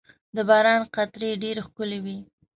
• د باران قطرې ډېرې ښکلي وي.